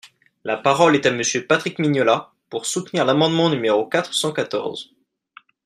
La parole est à Monsieur Patrick Mignola, pour soutenir l’amendement numéro quatre cent quatorze.